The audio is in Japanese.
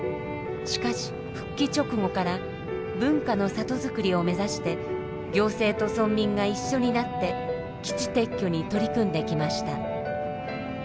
しかし復帰直後から文化の里づくりを目指して行政と村民が一緒になって基地撤去に取り組んできました。